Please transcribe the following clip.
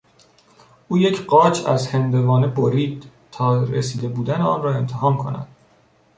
او یک قاچ از هندوانه برید تا رسیده بودن آن را امتحان کند.